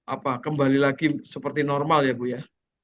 apa kembali lagi seperti normal ya bu ya